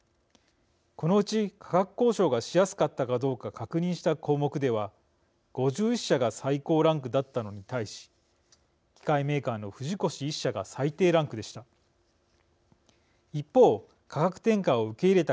このうち価格交渉がしやすかったかどうか確認した項目では、５１社が最高ランクだったのに対し機械メーカーの不二越１社が最低ランクでした。